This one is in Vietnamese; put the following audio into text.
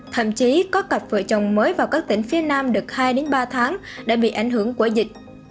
thậm chí có cặp vợ chồng mới vào các tỉnh phía nam được hai ba tháng đã bị ảnh hưởng của dịch